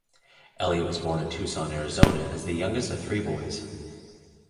Elliott was born in Tucson, Arizona as the youngest of three boys.